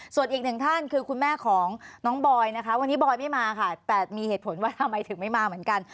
ส่วนอีกหนึ่งท่านคือคุณแม่ของน้องบอยนะคะวันนี้บอยไม่มาค่ะแต่มีเหตุผลว่าทำไมถึงไม่มาเหมือนกัน